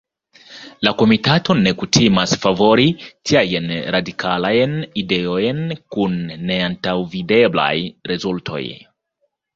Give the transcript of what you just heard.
La komitato ne kutimas favori tiajn radikalajn ideojn kun neantaŭvideblaj rezultoj.